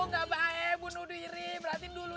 gak baik bunuh diri berarti dulu ya